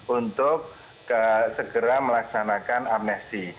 untuk segera melaksanakan amnesti